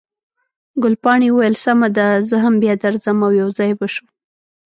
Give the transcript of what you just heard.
ګلپاڼې وویل، سمه ده، زه هم بیا درځم، او یو ځای به شو.